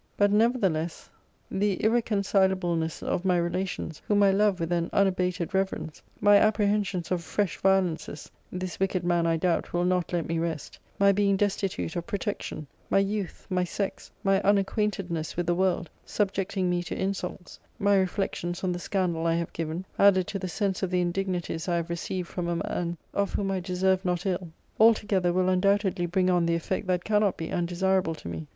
But, nevertheless, the irreconcilableness of my relations, whom I love with an unabated reverence; my apprehensions of fresh violences, [this wicked man, I doubt, will not let me rest]; my being destitute of protection; my youth, my sex, my unacquaintedness with the world, subjecting me to insults; my reflections on the scandal I have given, added to the sense of the indignities I have received from a man, of whom I deserved not ill; all together will undoubtedly bring on the effect that cannot be undesirable to me.